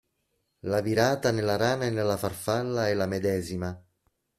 La virata nella rana e nella farfalla è la medesima.